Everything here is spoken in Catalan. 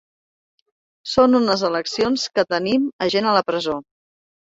Són unes eleccions que tenim a gent a la presó.